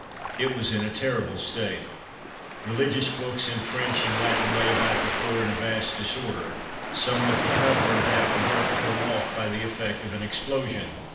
It was in a terrible state. Religious books in French and Latin lay about the floor in a vast disorder, some with the cover and half the book torn off by the effect of an explosion.